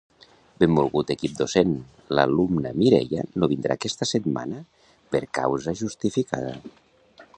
Benvolgut equip docent, l'alumna Mireia no vindrà aquesta setmana per causa justificada.